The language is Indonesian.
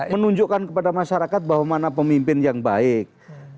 menunjukkan kepada masyarakat bahwa mana pemimpin yang baik